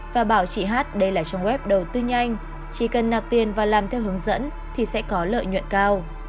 và bảo chị hát đây là trang web đầu tư nhanh chỉ cần nạp tiền và làm theo hướng dẫn thì sẽ có lợi nhuận cao